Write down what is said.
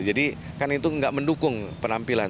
jadi kan itu tidak mendukung penampilan